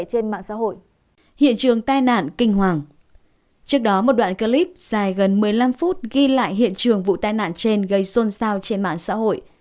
trước đó một đoạn clip dài gần một mươi năm phút ghi lại hiện trường vụ tai nạn trên gây xôn xao trên mạng xã hội